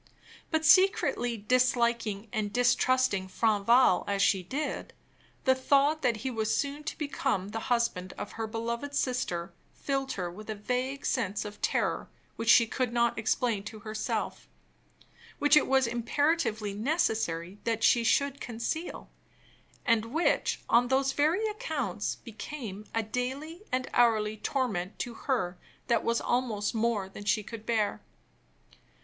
But, secretly disliking and distrusting Franval as she did, the thought that he was soon to become the husband of her beloved sister filled her with a vague sense of terror which she could not explain to herself; which it was imperatively necessary that she should conceal; and which, on those very accounts, became a daily and hourly torment to her that was almost more than she could bear.